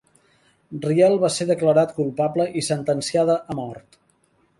Riel va ser declarat culpable i sentenciada a mort.